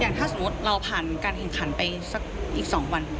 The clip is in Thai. อย่างถ้าสมมุติเราผ่านการเงินขันไปสักอีกสองวัน